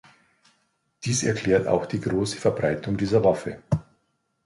Dies erklärt auch die große Verbreitung dieser Waffe.